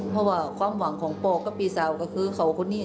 เพราะว่าความหวังของป่อก็มีสาวกับเค้าคนนี้